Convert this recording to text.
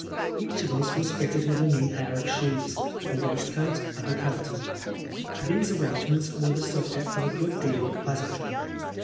Each of us was fitted with a new pair of shoes, a waistcoat and a coat. These arrangements were the subject of a good deal of pleasantry.